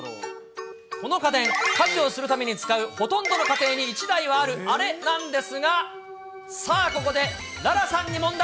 この家電、家事をするために使うほとんどの家庭に１台はあるあれなんですが、さあ、ここで楽々さんに問題。